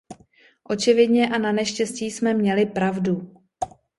Očividně a naneštěstí jsme měli pravdu.